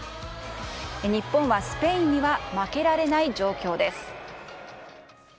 日本はスペインには負けられない状況です。